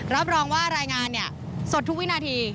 รับรองว่ารายงานสดทุกวินาที